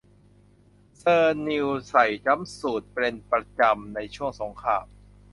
เชอร์ชิลใส่จั๊มสูทเป็นประจำในช่วงสงคราม